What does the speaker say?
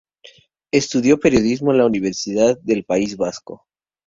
Estudió Periodismo en la Universidad del País Vasco.